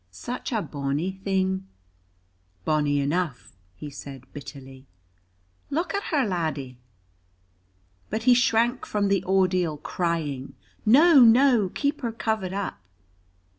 "Such a bonny thing." "Bonny enough," he said bitterly. "Look at her, laddie." But he shrank from the ordeal, crying, "No, no, keep her covered up!"